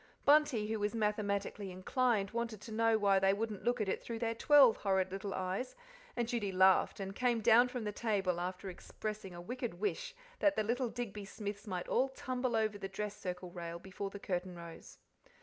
Bunty, who was mathematically inclined, wanted to know why they wouldn't look at it through their twelve horrid little eyes, and Judy laughed and came down from the table, after expressing a wicked wish that the little Digby Smiths might all tumble over the dress circle rail before the curtain rose.